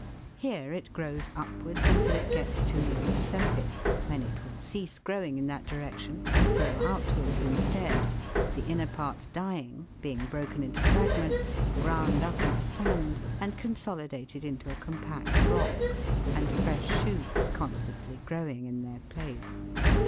Here it grows upwards until it gets too near the surface, when it will cease growing in that direction and grow outwards instead, the inner parts dying, being broken into fragments, ground up into sand, and consolidated into a compact rock, and fresh shoots constantly growing in their place.